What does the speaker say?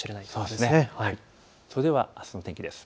それではあすの天気です。